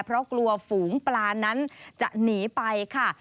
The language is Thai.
เพราะกลัวฝูงปลานั้นจะหนีไปค่ะ